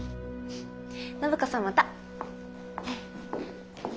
暢子さんまた。